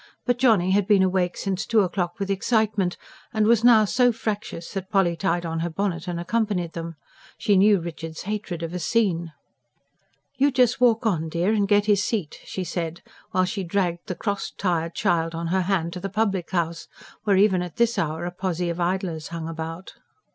But Johnny had been awake since two o'clock with excitement, and was now so fractious that Polly tied on her bonnet and accompanied them. She knew Richard's hatred of a scene. "You just walk on, dear, and get his seat," she said, while she dragged the cross, tired child on her hand to the public house, where even at this hour a posse of idlers hung about.